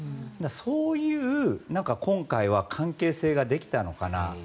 そういう、今回は関係性ができたのかなと。